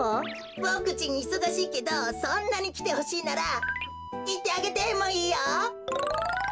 ぼくちんいそがしいけどそんなにきてほしいならいってあげてもいいよ！